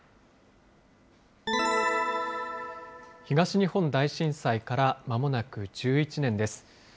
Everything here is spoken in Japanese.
東日本大震災からまもなく１１年です。